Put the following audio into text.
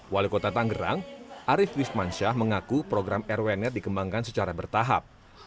wali kota tanggerang arief wismansyah mengaku program rwnr dikembangkan secara bertahap